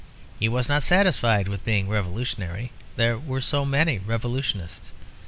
He was not satisfied with being revolutionary; there were so many revolutionists.